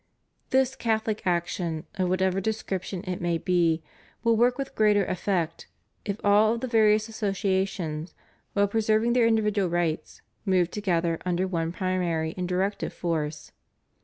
This Catholic action, of whatever description it may be, will work with greater effect if all of the various asso ciations, while preserving their individual rights, move together under one primary and directive force.